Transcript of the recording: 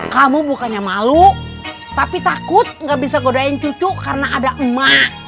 kamu bukannya malu tapi takut gak bisa godain cucu karena ada emak